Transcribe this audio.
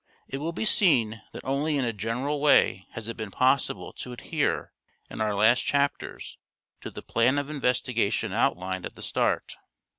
It will be seen that only in a general way has it been possible to adhere, in our last chapters, to the plan of investigation outlined at the start.